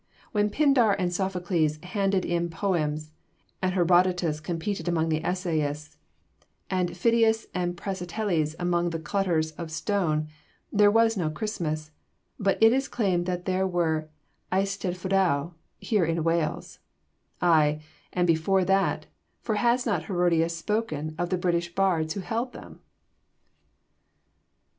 When Pindar and Sophocles handed in poems, and Herodotus competed among the essayists, and Phidias and Praxiteles among the cutters of stone, there was no Christmas, but it is claimed there were eisteddfodau, here in Wales; ay, and before that; for has not Herodotus spoken of the British bards who held them?